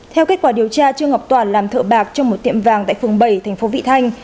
theo kết quả điều tra trương ngọc toàn làm thợ bạc trong một tiệm vàng tại phường bảy thành phố vị thanh